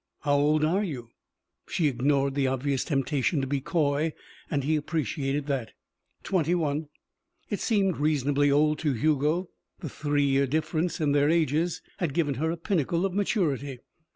"How old are you?" She ignored the obvious temptation to be coy and he appreciated that. "Twenty one." It seemed reasonably old to Hugo. The three years' difference in their ages had given her a pinnacle of maturity.